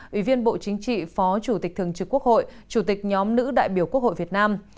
ủy viên bộ chính trị phó chủ tịch thường trực quốc hội chủ tịch nhóm nữ đại biểu quốc hội việt nam